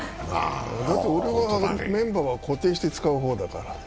俺はメンバーは固定して使う方だから。